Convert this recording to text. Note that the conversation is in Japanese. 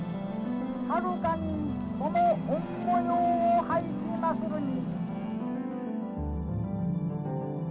はるかにこの御もようを拝しまするに」。